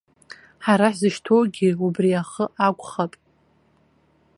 Ҳара ҳзышьҭоугьы убри ахы акәхап.